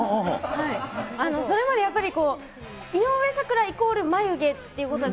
それまでやっぱり、井上咲楽イコール眉毛っていうことで。